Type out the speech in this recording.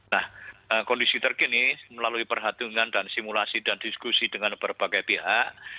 nah kondisi terkini melalui perhatian dan simulasi dan diskusi dengan berbagai pihak